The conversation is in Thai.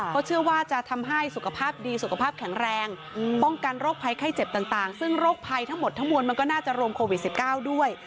ก็เชื่อว่าจะทำให้สุขภาพดีสุขภาพแข็งแรงป้องกันโรคภัยไข้เจ็บต่างซึ่งโรคภัยทั้งหมดทั้งมวลมันก็น่าจะรวมโควิด๑๙ด้วย